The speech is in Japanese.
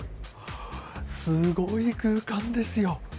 すごい空間ですよ。